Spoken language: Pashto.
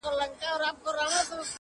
خو هيڅ حل نه پيدا کيږي